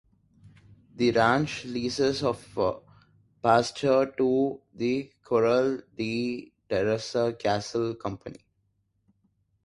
The ranch leases of pasture to the Corral de Tierra Cattle Company.